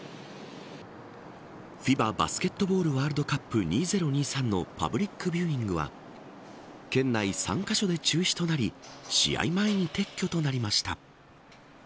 ＦＩＢＡバスケットボールワールドカップ２０２３のパブリックビューイングは県内３カ所で中止となり試合前に撤去となりました。